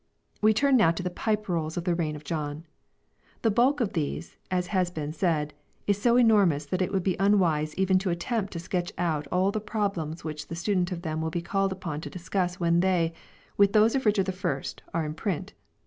We turn, now, to the "Pipe Rolls" of the reign of John. The bulk of these, as has been said, is so enormous that it would be unwise even to attempt to sketch out all the problems which the student of them will be called upon to discuss when they, with those of Richard I, are in print.